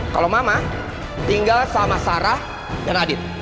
kalau mama tinggal sama sarah dan adit